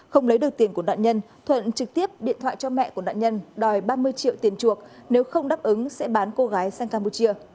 không lấy được tiền của nạn nhân thuận trực tiếp điện thoại cho mẹ của nạn nhân đòi ba mươi triệu tiền chuộc nếu không đáp ứng sẽ bán cô gái sang campuchia